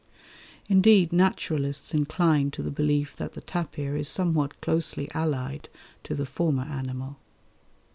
Indeed naturalists incline to the belief that the tapir is somewhat closely allied to the former animal.